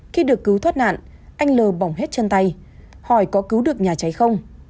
khi được cứu thoát nạn anh lờ bỏng hết chân tay hỏi có cứu được nhà cháy không